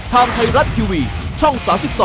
ทางไทรัตท์ทิวีช่อง๓๒